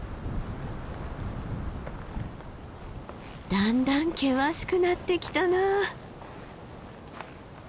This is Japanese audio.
だんだん険しくなってきたな。